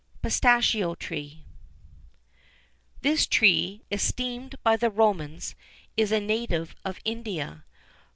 PISTACHIO TREE. This tree, esteemed by the Romans,[XIV 32] is a native of India.